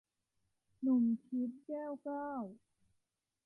หนุ่มทิพย์ - แก้วเก้า